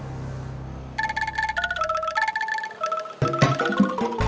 nah kita berbual